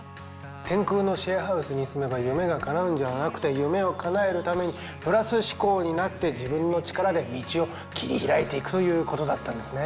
天空のシェアハウスに住めば夢がかなうんじゃなくて夢をかなえるためにプラス思考になって自分の力で道を切り開いていくということだったんですね。